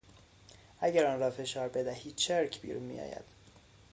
اگر آن را فشار بدهی چرک بیرون میآید.